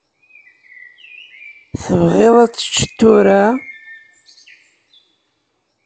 Tebɣiḍ ad teččeḍ tura?